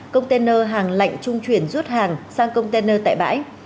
container hàng lạnh trung chuyển rút hàng sang container tại bãi